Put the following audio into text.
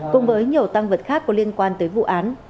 cùng với nhiều tăng vật khác có liên quan tới vụ án